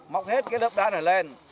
móc hết cái lớp đá này lên